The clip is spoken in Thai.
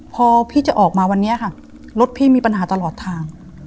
พอพี่จะออกมาวันนี้ค่ะรถพี่มีปัญหาตลอดทาง